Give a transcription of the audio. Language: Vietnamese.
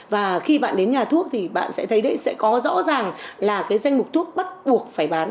và khi bạn đến nhà thuốc thì bạn sẽ thấy đấy sẽ có rõ ràng là cái danh mục thuốc bắt buộc phải bán